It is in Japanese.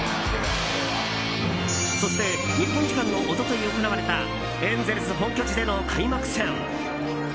そして日本時間の一昨日、行われたエンゼルス本拠地での開幕戦。